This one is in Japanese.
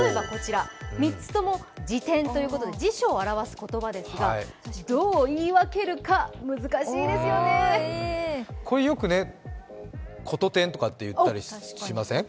３つとも「じてん」ということで辞書を著す言葉ですが、どう言い分けるか、難しいですよねよく「ことてん」とか言ったしません？